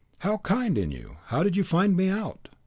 "How kind in you! how did you find me out?"